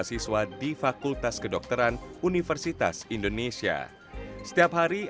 dan juga bisa mendapatkan edukasi masyarakat